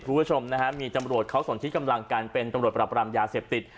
ทุกผู้ชมมีจำลวดสนทิศกำลังการเป็นจำลวดประปรัมยาเสพติด